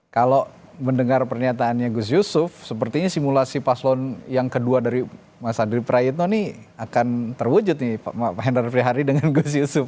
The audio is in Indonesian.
kalau mendengar pernyataannya gus yusuf sepertinya simulasi paslon yang kedua dari mas adri prayitno ini akan terwujud nih pak henr frehari dengan gus yusuf